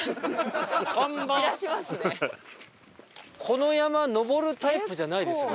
この山登るタイプじゃないですよね？